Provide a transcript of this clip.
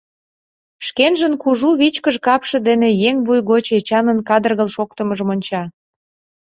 Шкенжын кужу вичкыж капше дене еҥ вуй гоч Эчанын кадыргыл шоктымыжым онча.